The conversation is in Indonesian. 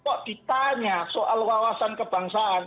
kok ditanya soal wawasan kebangsaan